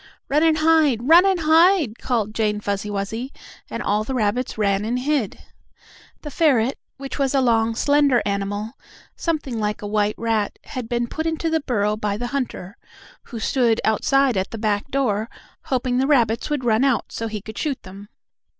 "Run and hide! Run and hide!" called Jane Fuzzy Wuzzy, and all the rabbits ran and hid. The ferret, which was a long, slender animal, something like a white rat, had been put into the burrow by the hunter, who stood outside at the back door, hoping the rabbits would run out so he could shoot them.